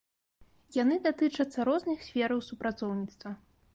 Яны датычацца розных сфераў супрацоўніцтва.